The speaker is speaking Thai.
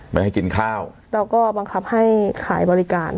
ไม่ให้กินข้าวเราก็บังคับให้ขายบริการ